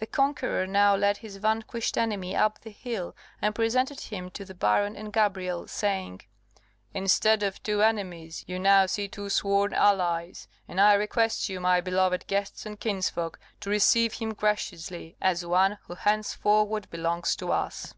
The conqueror now led his vanquished enemy up the hill and presented him to the baron and Gabrielle, saying, "Instead of two enemies you now see two sworn allies; and I request you, my beloved guests and kinsfolk, to receive him graciously as one who henceforward belongs to us."